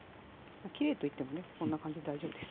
きれいと言ってもねこんな感じで大丈夫です。